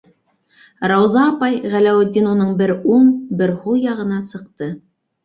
Рауза апай, - Ғәләүетдин уның бер уң, бер һул яғына сыҡты.